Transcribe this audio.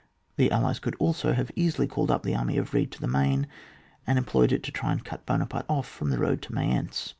The allies could also have easily called up the army of Wrede to the Maine, and employed it to try to cut Buonaparte off from tiie road to Mayence.